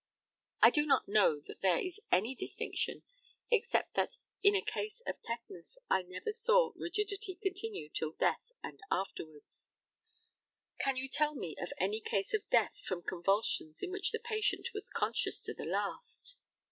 I do not know that there is any distinction, except that in a case of tetanus I never saw rigidity continue till death and afterwards. Can you tell me of any case of death from convulsions in which the patient was conscious to the last?